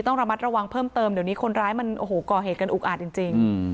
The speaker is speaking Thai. ต้องระมัดระวังเพิ่มเติมเดี๋ยวนี้คนร้ายมันโอ้โหก่อเหตุกันอุกอาจจริง